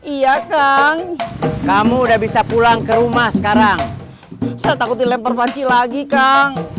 iya kang kamu udah bisa pulang ke rumah sekarang saya takut dilempar panci lagi kang